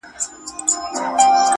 تاوېده لكه زمرى وي چا ويشتلى؛